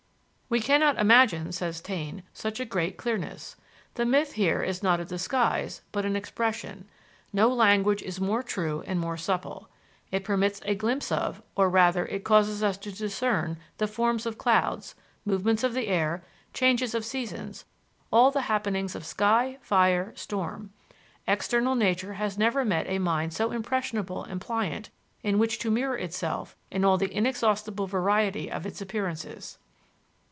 "We cannot imagine," says Taine, "such a great clearness. The myth here is not a disguise, but an expression; no language is more true and more supple. It permits a glimpse of, or rather, it causes us to discern the forms of clouds, movements of the air, changes of seasons, all the happenings of sky, fire, storm: external nature has never met a mind so impressionable and pliant in which to mirror itself in all the inexhaustible variety of its appearances.